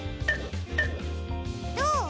どう？